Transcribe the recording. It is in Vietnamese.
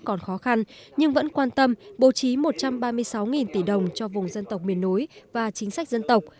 còn khó khăn nhưng vẫn quan tâm bố trí một trăm ba mươi sáu tỷ đồng cho vùng dân tộc miền núi và chính sách dân tộc